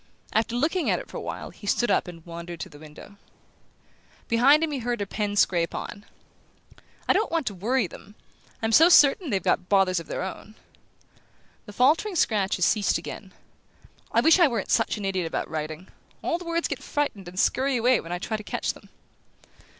After looking at it for a while he stood up and wandered to the window. Behind him he heard her pen scrape on. "I don't want to worry them I'm so certain they've got bothers of their own." The faltering scratches ceased again. "I wish I weren't such an idiot about writing: all the words get frightened and scurry away when I try to catch them."